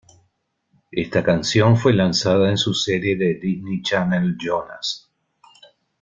Esta canción fue lanzada en su serie de Disney Channel Jonas.